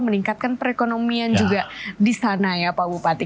meningkatkan perekonomian juga di sana ya pak bupati